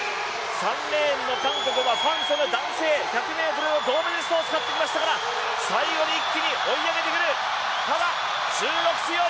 ３レーンの韓国はファン・ソヌ男性、１００ｍ銅メダリストを使ってきましたから最後に一気に追い上げてくる。